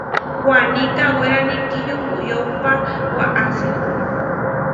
Waní kawérani kiyúkoyopa waʼási.